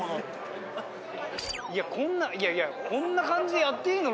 いやこんないやいやこんな感じでやっていいの？